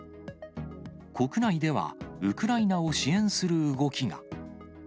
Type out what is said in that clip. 国内では、ウクライナを支援する動きが。